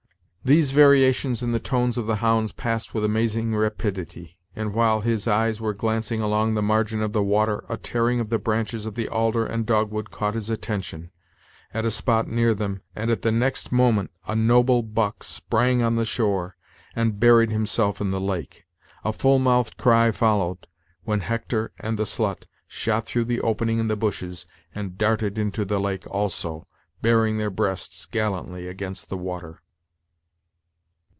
These variations in the tones of the hounds passed with amazing rapidity; and, while his eyes were glancing along the margin of the water, a tearing of the branches of the alder and dogwood caught his attention, at a spot near them and at the next moment a noble buck sprang on the shore, and buried himself in the lake. A full mouthed cry followed, when Hector and the slut shot through the opening in the bushes, and darted into the lake also, bearing their breasts gallantly against the water.